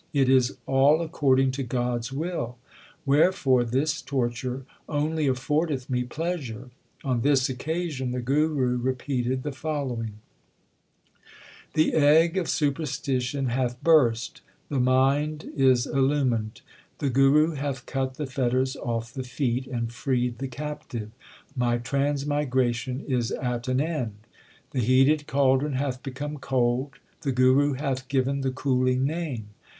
It is all according to God s will; wherefore this torture only affordeth me pleasure. On this occasion the Guru repeated the following : The egg of superstition hath burst ; the mind is illumined : The Guru hath cut the fetters off the feet and freed the captive. My transmigration is at an end. The heated caldron hath become cold ; the Guru hath given the cooling Name.